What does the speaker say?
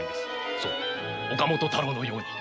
そう岡本太郎のように。